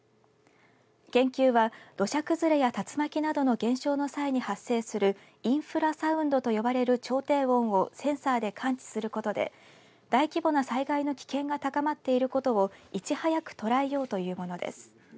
研究は、土砂崩れや竜巻などの現象の際に発生するインフラサウンドと呼ばれる超低音をセンサーで感知することで大規模な災害の危険が高まっていることをいち早く捉えようというものです。